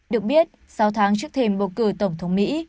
được biết sáu tháng trước thềm bầu cử tổng thống mỹ